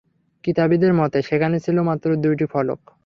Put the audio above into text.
কিতাবীদের মতে, সেখানে ছিল মাত্র দুইটি ফলক।